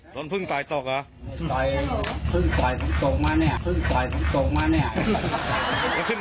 โดนพึ่งตายตกหรือ